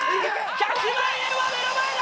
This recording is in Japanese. １００万円は目の前だ！